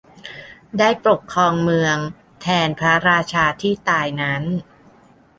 ได้ปกครองเมืองแทนพระราชาที่ตายนั้น